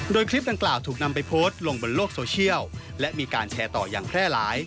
โดยคลิปดังกล่าวถูกนำไปโพสต์ลงบนโลกโซเชียลและมีการแชร์ต่ออย่างแพร่หลาย